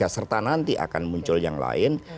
serta nanti akan muncul yang lain